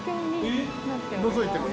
のぞいても？